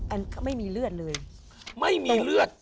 ไม่มีเลือดเลยไม่มีเลือด